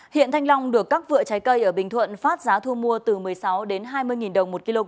hiện thanh long được các vựa trái cây ở bình thuận phát giá thu mua từ một mươi sáu đến hai mươi đồng một kg